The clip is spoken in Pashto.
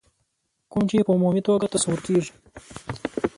کوم چې په عمومي توګه تصور کېږي.